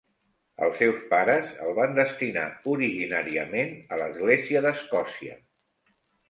Els seus pares el van destinar originàriament a l'Església d'Escòcia.